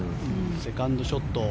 セカンドショット。